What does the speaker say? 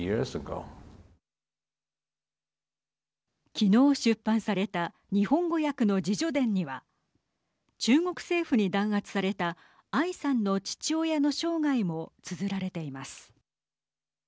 昨日出版された日本語訳の自叙伝には中国政府に弾圧されたアイさんの父親の生涯もつづられています。